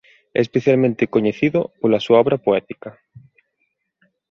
É especialmente coñecido pola súa obra poética.